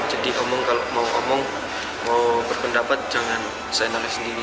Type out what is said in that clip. jadi kalau mau berpendapat jangan saya nolak sendiri